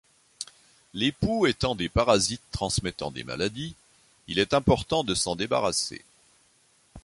Les poux étant des parasites transmettant des maladies, il est important de s'en débarrasser.